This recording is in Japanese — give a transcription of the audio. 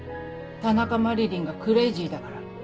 田中麻理鈴がクレイジーだから。